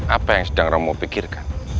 apa yang sedang romo pikirkan